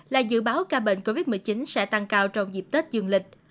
là dự báo ca bệnh covid một mươi chín sẽ tăng cao trong dịp tết dương lịch